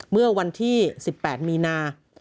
เมื่อวันที่๑๘มีนา